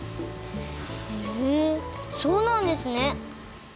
へえそうなんですね。